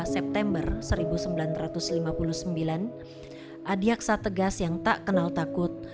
dua puluh september seribu sembilan ratus lima puluh sembilan adiaksa tegas yang tak kenal takut